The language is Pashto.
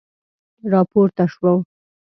را پورته شو.